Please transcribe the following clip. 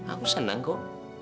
aku seneng kok